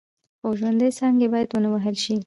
خو ژوندۍ څانګې باید ونه وهل شي.